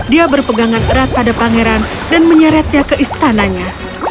dia berpegangan erat pada pangeran dan menyeretnya ke istananya